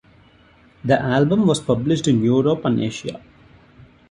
The album was published in Europe and Asia.